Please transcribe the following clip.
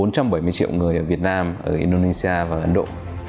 triệu người ở việt nam indonesia và ấn độ